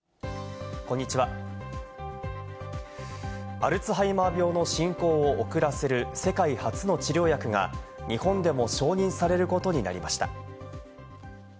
アルツハイマー病の進行を遅らせる世界初の治療薬が、日本でも承認されることになりました。